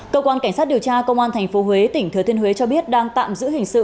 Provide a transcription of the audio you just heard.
cơ quan cảnh sát điều tra công an tp huế tỉnh thừa thiên huế cho biết đang tạm giữ hình sự